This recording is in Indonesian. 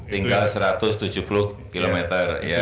tinggal satu ratus tujuh puluh km